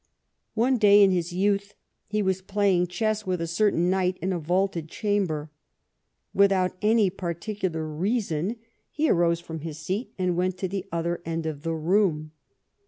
One day in his youth he was playing chess with a certain knight in a vaulted chamber. Without any particular reason, he arose from his seat and went to the other end of the room.